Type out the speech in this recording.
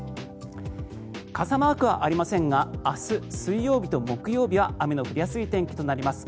傘マークはありませんが明日、水曜日と木曜日は雨の降りやすい天気となります。